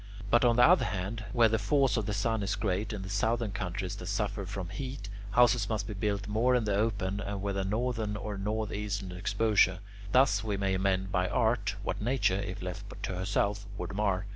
But on the other hand, where the force of the sun is great in the southern countries that suffer from heat, houses must be built more in the open and with a northern or north eastern exposure. Thus we may amend by art what nature, if left to herself, would mar.